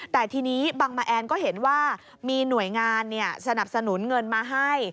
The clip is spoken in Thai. แต่ทีนี้บังมาแอนก็เห็นว่ามีหน่วยงานสนับสนุนเงินมาให้